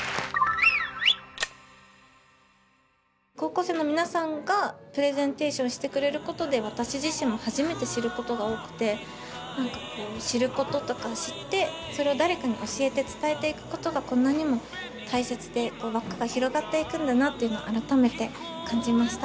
高校生の皆さんがプレゼンテーションしてくれることで私自身も初めて知ることが多くて知ることとか知ってそれを誰かに教えて伝えていくことがこんなにも大切で輪っかが広がっていくんだなっていうのを改めて感じました。